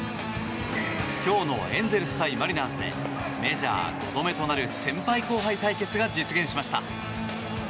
今日のエンゼルス対マリナーズでメジャー２度目となる先輩後輩対決が実現しました。